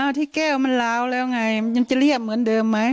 ที่แก้วมันล้าวแล้วไงมันยังจะเรียบเหมือนเดิมไหม